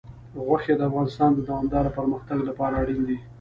غوښې د افغانستان د دوامداره پرمختګ لپاره اړین دي.